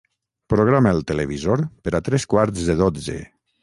Programa el televisor per a tres quarts de dotze.